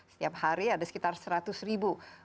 setiap hari ada sekitar seratus ribu